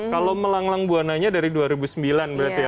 kalau melanglang buananya dari dua ribu sembilan berarti ya